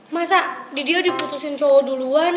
masa didio diputusin cowo duluan